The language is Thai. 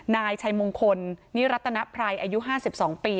นายชัยมงคลนิรัตนภัยอายุ๕๒ปี